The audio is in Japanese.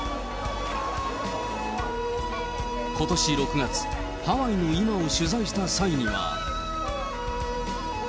ことし６月、ハワイの今を取材した際には。